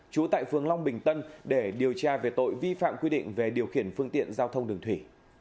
trú tại phường long bình tân để điều tra về tội vi phạm quy định về điều khiển phương tiện giao thông đường thủy